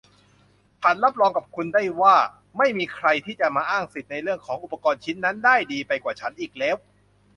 ฉันรับรองกับคุณได้ว่า ไม่มีใครที่จะมาอ้างสิทธิ์ในเรื่องของอุปกรณ์ชิ้นนั้นได้ดีไปกว่าฉันอีกแล้ว